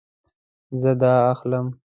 زه دا اخلم